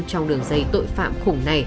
trong đường dây tội phạm khủng này